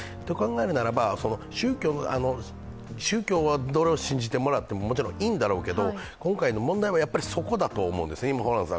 それならば宗教はどれを信じてもらってももちろんいいんだろうけど、今回の問題は、そこだと思うんですね。